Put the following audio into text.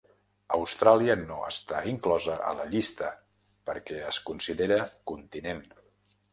Austràlia no està inclosa a la llista perquè es considera continent.